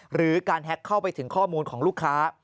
หรือการแฮ็กเข้าไปถึงข้อมูลของลูกค้า